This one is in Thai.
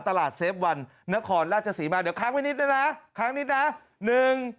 เซฟวันนครราชสีมาเดี๋ยวค้างไว้นิดด้วยนะค้างนิดนะหนึ่ง